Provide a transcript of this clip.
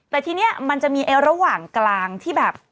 แต่ทีนี้มันจะมีระหว่างกลางที่แบบ